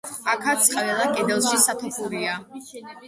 აქაც ყველა კედელში სათოფურია.